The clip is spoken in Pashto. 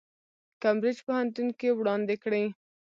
کمبریج پوهنتون کې وړاندې کړي.